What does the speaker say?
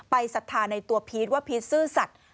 ศรัทธาในตัวพีชว่าพีชซื่อสัตว์